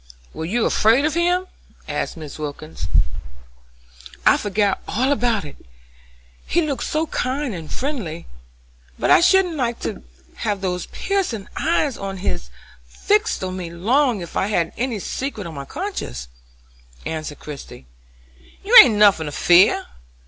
"Were you afraid of him?" asked Mrs. Wilkins. "I forgot all about it: he looked so kind and friendly. But I shouldn't like to have those piercing eyes of his fixed on me long if I had any secret on my conscience," answered Christie. "You ain't nothin' to fear.